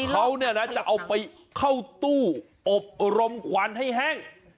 เขาจะเอาไปเข้าตู้อบลมขวานให้แห้ง